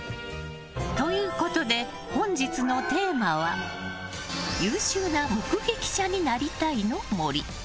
ということで、本日のテーマは優秀な目撃者になりたいの森。